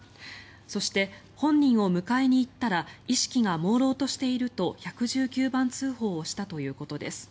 そして本人を迎えに行ったら意識がもうろうとしていると１１９番通報をしたということです。